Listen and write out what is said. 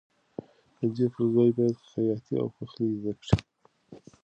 د دې پر ځای باید خیاطي او پخلی زده کړې.